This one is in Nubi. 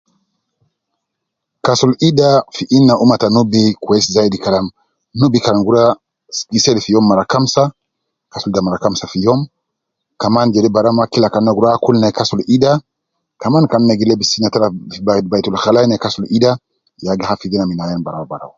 Kasul ida fi ina umma ta nubi kwesi zaidi kalam Nubi kan gi rua, gi seli fi youm mara kamsa, gi kasul ida mara kamsa fi youm, kaman kila kan na gi rua akul na gi kasul ida, kaman kan na tala fi baitul khala na gi kasul ida, ya gi hafidh ina min ayan barau barau